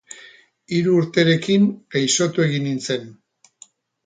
Hiru urterekin, gaixotu egin nintzen.